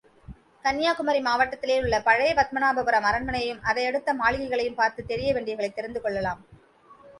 கன்யாகுமரி மாவட்டத்திலே உள்ள பழைய பத்மநாபபுரம் அரண்மனையையும் அதையடுத்த மாளிகைகளையும் பார்த்துத் தெரிய வேண்டியவைகளைத் தெரிந்து கொள்ளலாம்.